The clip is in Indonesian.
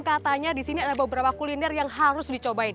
katanya disini ada beberapa kuliner yang harus dicobain